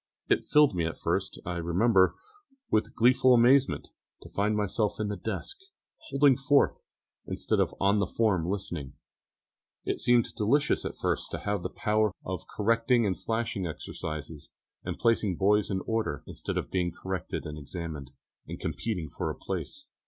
It filled me at first, I remember, with a gleeful amazement, to find myself in the desk, holding forth, instead of on the form listening. It seemed delicious at first to have the power of correcting and slashing exercises, and placing boys in order, instead of being corrected and examined, and competing for a place.